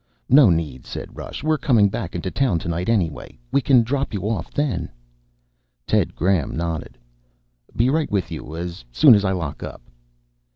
"No need," said Rush. "We're coming back into town tonight anyway. We can drop you off then." Ted Graham nodded. "Be right with you as soon as I lock up."